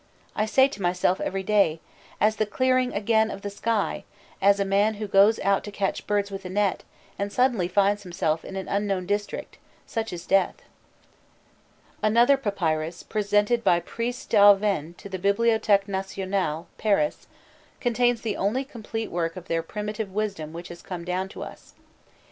I say to myself every day: As the clearing again of the sky, as a man who goes out to catch birds with a net, and suddenly finds himself in an unknown district, such is death." Another papyrus, presented by Prisse d'Avennes to the Bibliothèque Nationale, Paris, contains the only complete work of their primitive wisdom which has come down to us.